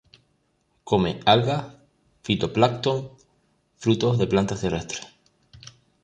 Come algas, fitoplancton, frutos de plantas terrestres.